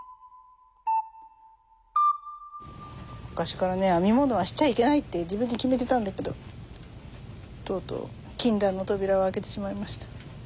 昔からね編み物はしちゃいけないって自分で決めてたんだけどとうとう禁断の扉を開けてしまいました。